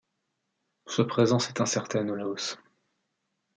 Sa présence est incertaine au Laos.